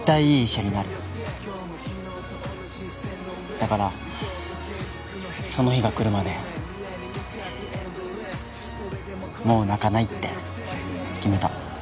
だからその日が来るまでもう泣かないって決めた。